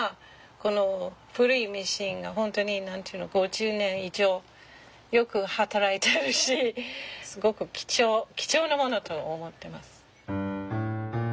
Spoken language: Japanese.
この古いミシンが本当に５０年以上よく働いてるしすごく貴重なものと思ってます。